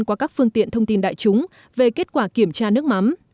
qua các phương tiện thông tin đại chúng về kết quả kiểm tra nước mắm